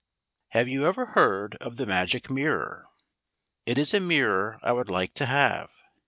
HAVE you ever heard of the Magic Mirror? It is a mirror I would like to have.